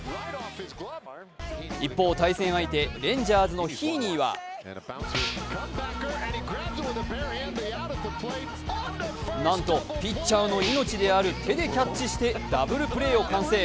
一方、対戦相手、レンジャーズのヒーニーはなんと、ピッチャーの命である手でキャッチしてダブルプレーを完成。